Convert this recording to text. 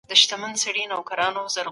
ایا تکړه پلورونکي چارمغز ساتي؟